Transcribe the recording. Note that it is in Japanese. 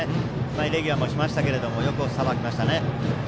イレギュラーもしましたけどよくさばきました。